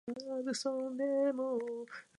スマホ